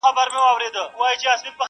واوری واوری شب پرستو سهرونه خبرومه,